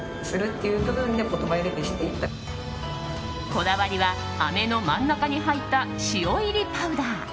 こだわりはあめの真ん中に入った塩入りパウダー。